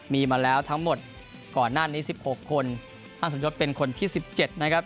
มีมาแล้วทั้งหมดก่อนหน้านี้๑๖คนท่านสมยศเป็นคนที่๑๗นะครับ